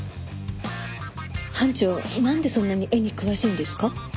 班長なんでそんなに絵に詳しいんですか？